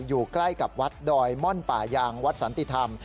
อยู่ใกล้กับวัดดอยม่อนป่ายางวัดสันติธรรม